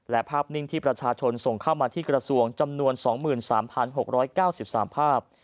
และภาพนิ่งที่ประชาชนส่งเข้ามาที่กระทรวงจำนวน๒๓๖๙๓ภาพ